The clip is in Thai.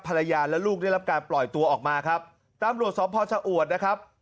ภรรยาและลูกได้รับการปล่อยตัวออกมาครับตำรวจสอบพ่อชะอวดนะครับ